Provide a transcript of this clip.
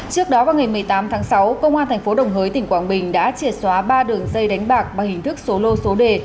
trước đó vào ngày một mươi tám tháng sáu công an tp đồng hới tỉnh quảng bình đã triệt xóa ba đường dây đánh bạc bằng hình thức số lô số đề